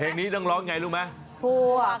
เพลงนี้ต้องร้องอย่างไรรู้ไหม